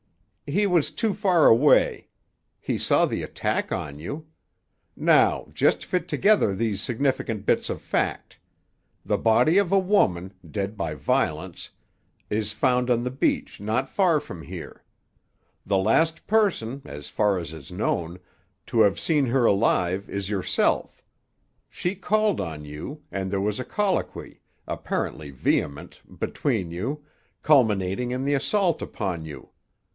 "He was too far away. He saw the attack on you. Now, just fit together these significant bits of fact. The body of a woman, dead by violence, is found on the beach not far from here. The last person, as far as is known, to have seen her alive is yourself. She called on you, and there was a colloquy, apparently vehement, between you, culminating in the assault upon you.